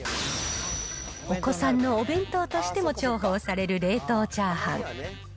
お子さんのお弁当としても重宝される冷凍チャーハン。